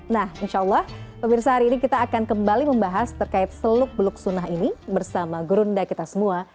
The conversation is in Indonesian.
nah insya allah pemirsa hari ini kita akan kembali membahas terkait seluk beluk sunnah ini bersama gurunda kita semua